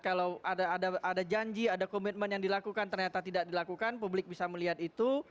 kalau ada janji ada komitmen yang dilakukan ternyata tidak dilakukan publik bisa melihat itu